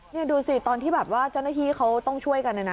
นี่ดูสิตอนที่แบบว่าเจ้าหน้าที่เขาต้องช่วยกันนะนะ